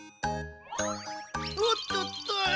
おっとっとあた！